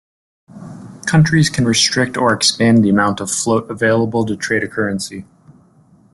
Countries can restrict or expand the amount of float available to trade a currency.